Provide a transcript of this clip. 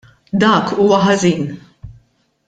Dak huwa ħażin.